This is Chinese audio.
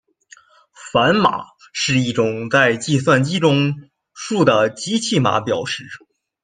反码是一种在计算机中数的机器码表示。